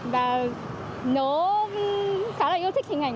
và nó khá là yêu thích hình ảnh